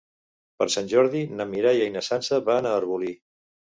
Per Sant Jordi na Mireia i na Sança van a Arbolí.